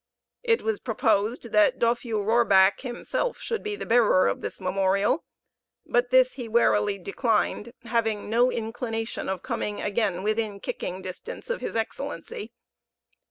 It was proposed that Dofue Roerback himself should be the bearer of this memorial; but this he warily declined, having no inclination of coming again within kicking distance of his excellency.